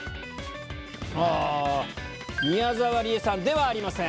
宮沢りえさんではありません。